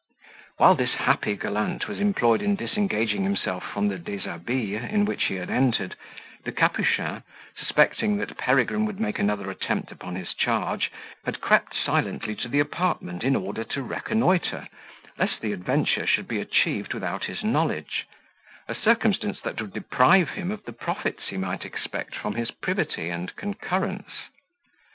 While this happy gallant was employed in disengaging himself from the deshabille in which he had entered, the Capuchin, suspecting that Peregrine would make another attempt upon his charge, had crept silently to the apartment in order to reconnoitre, lest the adventure should be achieved without his knowledge; a circumstance that would deprive him of the profits he might expect from his privity and concurrence.